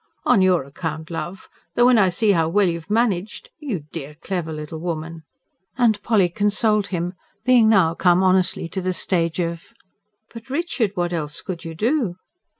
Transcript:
"On your account, love. Though when I see how well you've managed you dear, clever little woman!" And Polly consoled him, being now come honestly to the stage of: "But, Richard, what else could you do?"